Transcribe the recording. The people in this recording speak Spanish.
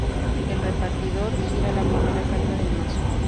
El repartidor gira la primera carta del mazo.